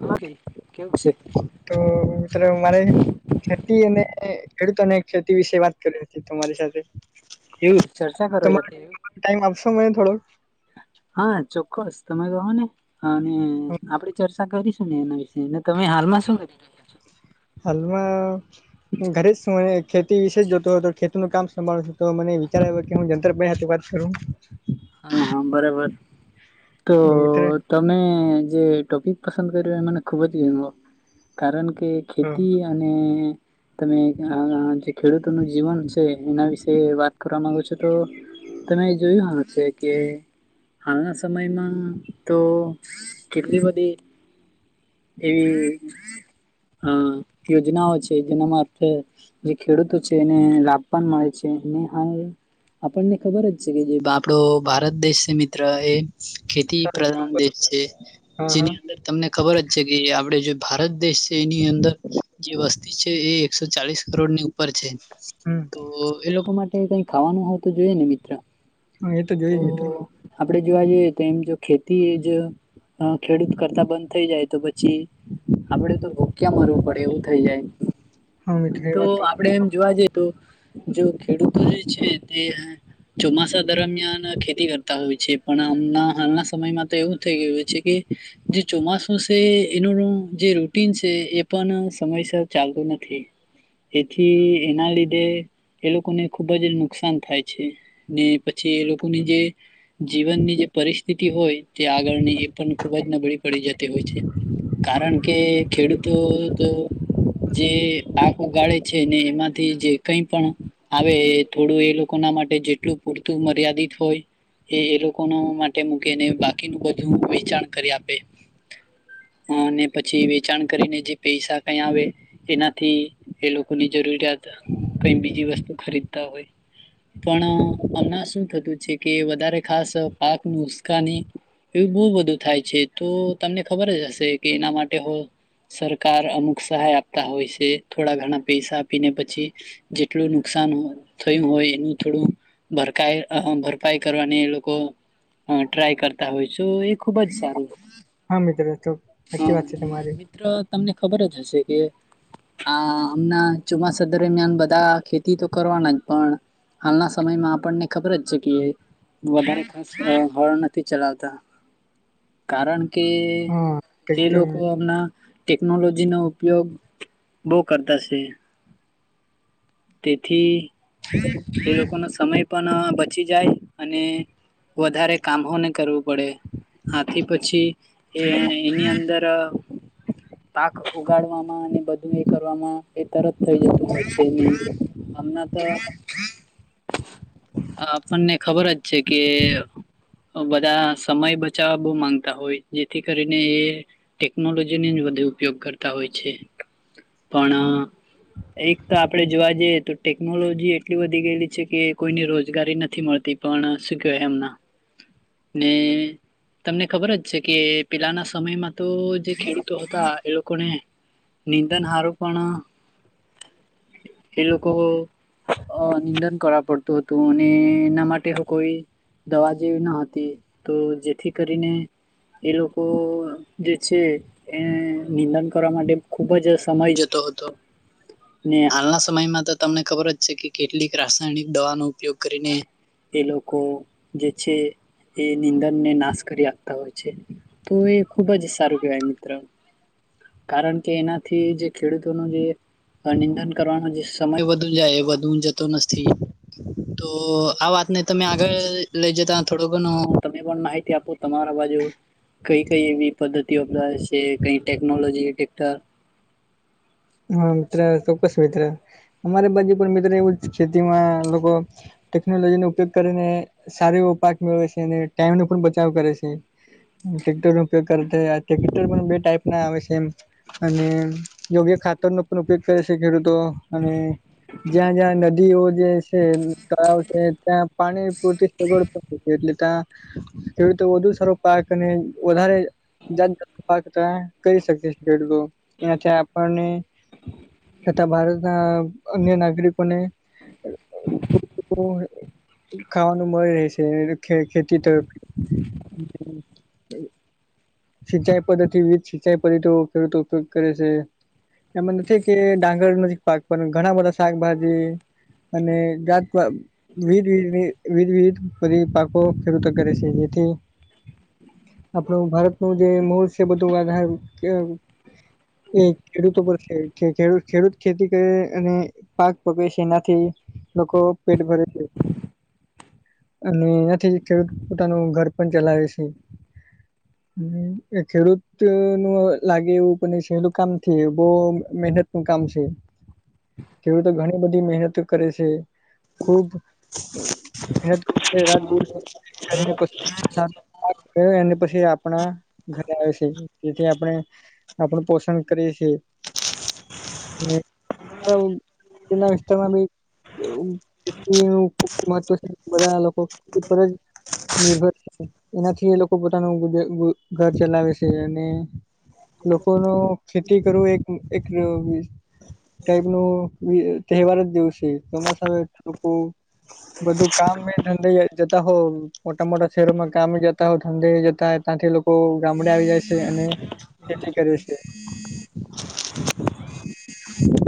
હુ કે કેવું છે તો મિત્ર અમારે ખેતી અને ખેડૂતોને ખેતી વિશે વાત કરવી હતી તમારી સાથે એવું ચર્ચા કરવી તમા હતી ટાઈમ આપશે મને થોડક હા ચોક્કસ તમે કહો ને અને આપડી ચર્ચા કરીશું ને એના વિશે ને તમે હાલમાં શું કરી રહ્યા છો હાલમાં ઘરે જ શું અને ખેતી વિશે જોતો હોય તો ખેતી નું કામ સંભાળતો તો મને વિચાર આવ્યો કે હું જંત્રભાઈ હાથે વાત કરું હા હા બરાબર તો તમે જે ટોપિક પસંદ કરયો એ મને ખૂબ જ [unintelligible] કારણ કે હા ખેતી અને તમે અ જે ખેડૂતોનું જીવન શે એના વિશે વાત કરવા માંગો છો તો તમે એ જોયું હશે કે હાલના સમયમાં તો કેટલી બધી એવી આ યોજનાઓ છે જેનામાં મારફત જે ખેડૂતો છે એને લાભ પણ મળે છે એની [unintelligible] આપણને ખબર જ છે કે જે આપણો ભારત દેશ છે મિત્ર એ ખેતી પ્રધાન દેશ છે હા હા જેની અંદર તમને ખબર જ જે કે આપડે જે ભારત દેશ છે એની અંદર જે વસ્તી છે એ એકસો ચાલીસ કરોડ ની ઉપ પર છે હમ તો એ લોકો માટે કઈ ખાવાનું હો તો જોઈએ ને મિત્ર હા એ તો જોઈ મિત્રો આપડે જોવા જઈએ તો એમ જો ખેતી જ ખેડૂત કરતા બંધ થઈ જાય તો પછી આપડે તો ભૂક્યા મરવું પડે એવું થઈ જાય હા મિત્રો એ તો વાત આ આપડે એમ જોવા જઈએ તો જો ખેડૂતો જે છે તે ચોમાસા દરમિયાન ખેતી કરતા હોય છે પણ આમના હાલના સમયમાં તો એવું થઈ ગયું છે કે જે ચોમાસ શું છે એનોનું જે રૂટીન છે એ પણ સમયસર ચાલતું નથી એથી એના લીધે એ લોકોને ખુબ જ નુકસાન થાય છે ને પછી એ લોકોને જે જીવનની જે પરિસ્થિતિ હોય તે આગળની એ પણ ખુબ જ નબળી પડી જાય તેવું છે કારણ કે ખેડૂતો તો જે પાક ઉગાળે છે ને એમાંથી જે કઈ પણ આવે એ થોડું એ લોકો ના માટે જેટલું પૂરતું મર્યાદિત હોય એ એ લોકો માટે મૂકીને બાકીનું બધું વેચાણ કરી આપે અને પછી વેચાણ કરીને જે પૈસા કઈ આવે એનાથી એ લોકોની જરૂરિયાત કઈ બીજી વસ્તુ ખરીદતા હોય પણ હમણા શું થતું છે કે વધારે ખાસ પાક નુ ઉસ્કાની એવ બહુ બધું થાય છે તો તમને ખબર જ હશે કે એના માટે હો સરકાર અમુક સહાય આપતા હોય છે થોડા ઘણા પૈસા આપીને પછી જેટલું નુકસાન થયું હોય એનું થોડું ભરપાઈ ભરપાઈ કરવાની એ લોકો ટ્રાય કરતા હોય છે. ખુબ જ સારું. હા મિત્રો તો સાચી વાત છે તમારી મ્ર તમને ખબર જ હશે કે હ હમના ચોમાસા દરમિયાન બધા ખેતી તો કરવાના જ પણ હાલના સમયમાં આપણને ખબર જ છે કે વધારે ખાસ હોળ નથી ચલાવતા કારણ કે એ હા લોકો અમના ટેકનોલોજી નો ઉપયોગ બહુ કરતા છે. તેથી તે લોકોનો સમય પણ બચી જાય અને વધારે કામોને કરવું પડે આથી પછી એ એની અંદર પાક ઉગાડવામાં અને બધું એ કરવામાં એ તરત થઈ જતું હમણાં તો આપણને ખબર જ છે કે બધા સમય બચાવવા બહુ માંગતા હોય જેથી કરીને એ ટેકનોલોજી જ વધુ ઉપયોગ કરતા હોય છે. પણ એક તો આપડે જોવા જઈએ તો ટેકનોલોજી એટલી વધી ગયેલી છે કે કોઈને રોજગારી નથી મળતી પણ શું કહેવાય એમના [inaudible] ને તમને ખબર જ છે કે પેલાના સમયમાં તો જે ખેડૂ તો હતા એ લોકોને નિંદન હારું પણ એ લોકો નિંદન કરવા પડતું હતું અને એના માટે કોઈ દવા જેવી ન હતી તો જેથી કરીને એ લોકો લોકો જે છે એ નિંદન કરવા માટે ખુબ જ સમય જતો હતો ને હાલના સમયમાં તો તમને ખબર જ છે કે કેટલીક રાસાયણિક દવાનો ઉપયોગ કરીને એ લોકો જે છે. એ નીંદન ને નાશ કરી આપતા હોય છે તો એ ખુબ જ સારું કેહેવાય મિત્ર કારણ કે એનાથી જે ખેડૂતો ન જે નિંદન કરવાનો જે સમય વધુ જાય વધુ જતો નથી તો આ વાતને તમે આગળ લઈ જતા થોડું ઘણું તમે પણ માહિતી આપો તમારા બાજુ કઈ કઈ એવી પદ્ધતિ અપનાવે છે કઈ ટેકનોલોજી્ટર હા મિત્ર ચોક્કસ મિત્ર અમારી બાજુ પણ મિત્ર એવું જ ખેતીમાં લોકો ટેકનોલોજીનો ઉપયોગ કરીને સારો એવો પાક મેળવે છે અને ટાઈમનો પણ બચાવ કરે છે. ટ્રેક્ટર નો ઉપયોગ કરે્રેક્ટર પણ બે ટાઈપ ના આવે છે એમ અને યોગ્ય ખાત [inaudible] ઉપયોગ કરે છે ખેડૂતો અને જ્યાં જ્યાં નદી વ્યક્તિઓ જે છે તળાવ છે ત્યાં પાણી પૂરતી સગવડ એટલે ત્યાં એવીતે વધુ સારો પાક અને વધારે જાત કરી શકે ખેડૂતો એનાથી આપણને તથા ભારતના અન્ય નાગરિકોને [unintelligible] ખાવાનું મળી રહે છે ખેતી તરફ સિંચાઈ પદ્ધતિ વિધ સિંચાઈ પદ્ધતિ ખેડૂતો ઉપયોગ કરે છે. એમાં નથી કે ડાંગર નજીક પાક પણ ઘણા બધા શાકભાજી અને વિધ વિધ વિધ વિધ પરી પાકો ખેડૂતો કરે છે જેથી આપણું ભારત નું જે મોર બધુંધા કે એ ખેડૂતો પર ખે ખે ખેડૂત ખેડૂત ખેતી કરે અને પાક પકવે છે એનાથી લોકો પેટ ભરે છે. અને એનાથી ખેડૂત પોતાનું ઘર પણ ચલાવે છે. હમ ખેડૂત નું લાગે એવું પણ સેલું કામ નથી એવું. બવ મહેનત નું કામ છે ખેડૂતો ઘણી બધી મહેનત કરે છે. ખુબ મહેનત [unintelligible] કરી ને. [unintelligible] [unintelligible] એને પછી આપણા ઘરે આવે છે જેથી આપણે આપણું પોષણ કરીએ છીએ. અને આમ એના વિસ્તારમાં ભી [unintelligible] નિર્ભર [unintelligible] એનાથી એ લોકો પોતાનું વિદે વી ઘર ચલાવે છે અને લોકો નો ખેતી કરવું એક હમ એકય હુ ટાઈપનું એહ તહેવાર જ દવસે ચોમાસા [unintelligible] તો તો બધું કામ ધંધા જતા હો મોટા મોટા શહેરોમાં કામે જતા હોવ ઠંડી જતા હોય ત્યાંથી લોકો ગામડે આવી જાય છે અને ખેતી કરે છે.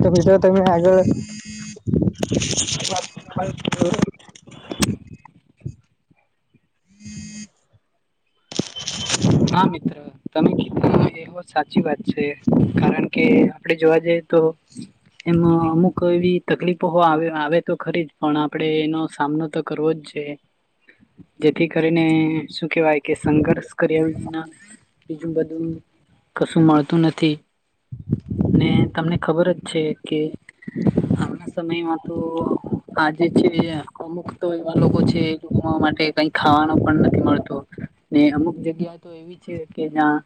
તો બીજો તમે હાજર હોય. [unintelligible] હા મિત્ર તમે કીધો એવ સાચી વાત છે કારણ કે આપડે જોવા જઈએ તો એમાં અમુક એવી તકલીફો આવે આવે તો ખરી જ પણ આપડે એનો સામનો તો કરવો જ છે. જેથી કરીને શું કેહેવાય કે સંઘર્ષ કર્યા ના બીજું બધું કશું મળતું નથી ને તમને ખબર જ છે કે હાલના સમયમાં તો આજે છે. અમુક તો એવા લોકો છે એ લોકો માટે કઈ ખાવાનો પણ નથી મળતો. ને અમુક જગ્યા તો એવી છે કે જ્યાં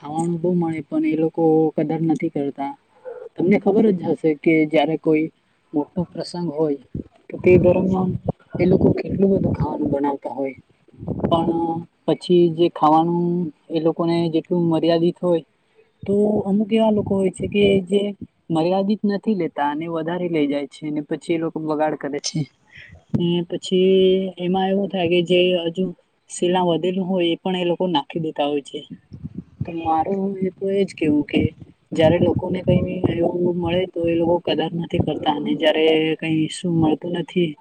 ખાવાનું બહુ મળે પણ એ લોકો કદર નથી કરતા. તમને ખબર જ હશે કે જયારે કોઈ મોટો પ્રસંગ હોય તો તે દરમિયાન એ લોકો કેટલું બધું ખાવાનું બનાવતા હોય. પણ પછી જે ખાવાનું એ લોકોને જેટલું મર્યાદિત હોય તો અમુક એવા લોકો હોય છે કે જે મર્યાદિત નથી લેતા અને વધારે લઇ જાય છે અને પછી એ લોકો બગાડ કરે છે. ઈ પછી એમાં એવું થાય કે જે હજુ શિલા વધેલું હોય એ પણ એ લોક કો નાખી દેતા હોય છે તો મારું એ તો એજ કેવું કે જયારે લોકોને કઈ એવું મળે તો એ લોકો કદર નથી કરતા અને જયારે કઈ શું મળ તુ નથી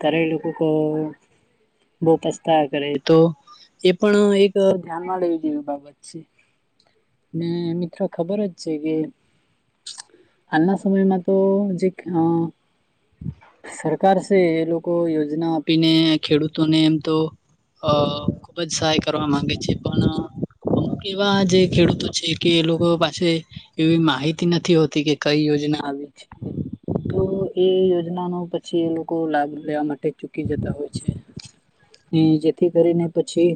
તારે એ લોકો કો બહુ પસ્તા કરે તો એ પણ એક ધ્યાનમાં લેવી જેવી બાબત છે. ને મિત્રો ખબર જ છે કે હાલના સમયમાં તો જેક અ સરકાર છે એ લોકો યોજના આપીને ખેડૂતોને એમ તો અ ખુબ જ સહાય કરવા માંગે છે પણ અમુક એવા જે ખેડૂતો છે કે એ લોકો પાસે એવી માહિતી નથી હોતી કે કઈ યોજના આવી છે. તો એ યોજના ન પછી એ લોકો લાભ લેવા માટે ચૂકી જતા હોય છે. હમ જેથી કરીને પછી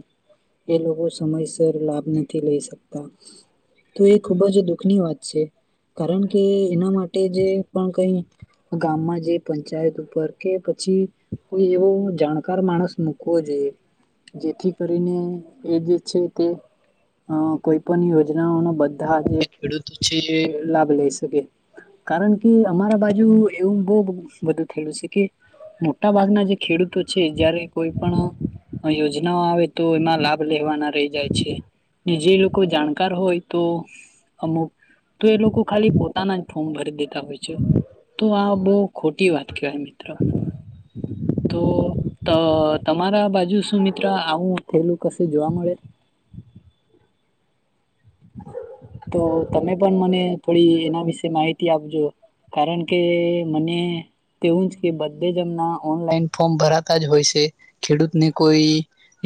એ લોકો સમયસર લાભ નથી લઈ શકતા. તો એ ખૂબ જ દુઃખ ની વાત છે કારણ કે એના માટે જે પણ કઈ ગામમાં જે પંચાયત ઉપર કે પછી કોઈ એવો જાણકાર માણસ મૂકવો જોઈ જેથી ને એ જે છે તે અ કોઈ પણ યોજનાઓના બધા આજે ખેડૂતો લાભ લઈ શકે કારણ કે અમારા બા જુ એવું બહું બધું થયું શકે મોટા ભાગના જે ખેડૂતો છે જયારે કોઈ પણ યોજનાઓ આવે તો એમાં લાભ લેવાના રહી જાય છે ને જે લોકો જાણકાર હોય તો અમુક તો એ લોકો ખાલી પોતાના જ ફોર્મ ભરી દે તા હોય છે તો આ બહું ખોટી વાત કહેવાય મિ તો તમારા બાજુ શું મિત્ર આવું થેલું કશું જોવા મળે? તો તમે પણ મને થોડી એના વિશે માહિતી આપજો. કારણ કે મને તેવું જ કે બધે જ એમના ઓનલાઈન ફોર્મ ભરાતા જ હોય છે ખેડૂતને કોઈ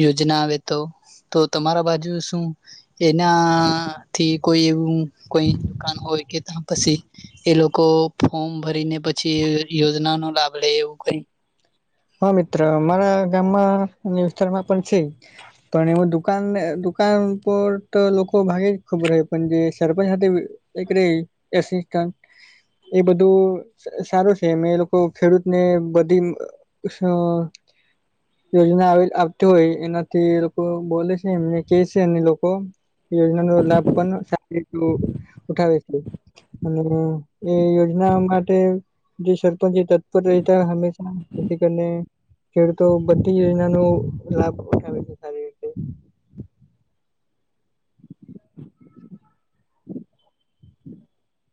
યોજના આવે તો તો તમારા બાજુ શું એના થી કોઈ એવું કોઈ દુકાનો હોય કે ત પછી એ લોકો ફોર્મ ભરી ને પછી યોજનાનો લાભ લે એવું કઈ? હા મિત્ર મારા ગામમાં વિસ્તારમાં પણ છે. પણ એમાં દુકાન દુકાન પર તો લોકો ભાગે જ ખબર છે પણ જે સરપંચ સાથે [unintelligible] એ બધું સારું છે એ એ લોકો ખેડૂતને બધી [unintelligible] યોજના આવતી હોય એનાથી એ લોકો બોલે છે, એમને કે છે એ લોકો યોજનાનો લાભ પણ સારી [unintelligible] ઉઠાવે છે. અને એ યોજના માટે જે સરપંચ છે તંદ પર રહેતા હંમેશા જેથી કરીને ખેડૂતો બધી યોજનાનો લાભ ઉઠાવે [unintelligible] [unintelligible]